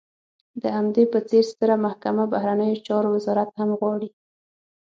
د همدې په څېر ستره محکمه، بهرنیو چارو وزارت هم غواړي.